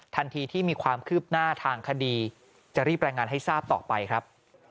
ทันทีที่มีความคืบหน้าทางคดีจะรีบรายงานให้ทราบต่อไปครับ